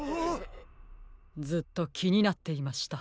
ずっときになっていました。